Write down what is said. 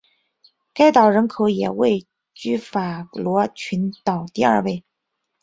该岛人口也位居法罗群岛第二位。